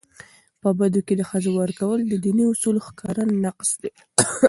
په بدو کي د ښځو ورکول د دیني اصولو ښکاره نقض دی.